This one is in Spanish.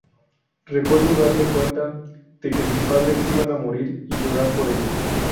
Recuerdo darme cuenta de que mis padres iban a morir y llorar por ello.